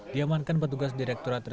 diamankan petugas direkturat reserse